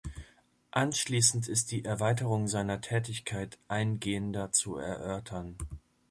Anschließend ist die Erweiterung seiner Tätigkeit eingehender zu erörtern.